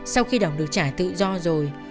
sau khi đồng được trả tự do rồi